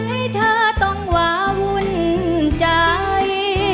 ให้เธอต้องวาวุ่นใจ